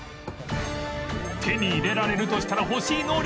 手に入れられるとしたら欲しい能力